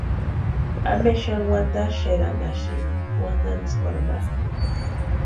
¿Ampe xani wantaxeranhaxasïni wantantskwarhu ma?